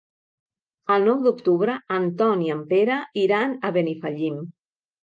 El nou d'octubre en Ton i en Pere iran a Benifallim.